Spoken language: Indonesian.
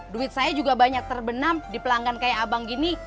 duit saya juga banyak terbenam di pelanggan kayak abang gini